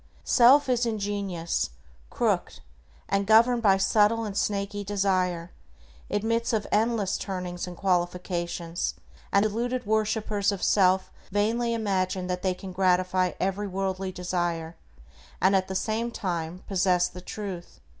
Self is ingenious, crooked, and, governed by subtle and snaky desire, admits of endless turnings and qualifications, and the deluded worshipers of self vainly imagine that they can gratify every worldly desire, and at the same time possess the Truth.